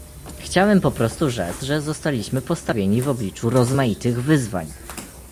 Chciałem po prostu rzec, że zostaliśmy postawieni w obliczu rozmaitych wyzwań